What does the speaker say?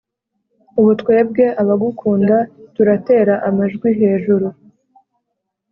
ubu twebwe abagukunda turatera amajwi hejuru ,